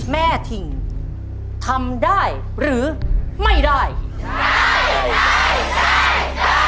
เร็วจะ๓นาทีแล้วแกผู้สาวสาว